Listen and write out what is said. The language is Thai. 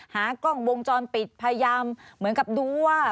หากล้องวงจรปิดพยายามเหมือนกับดูว่า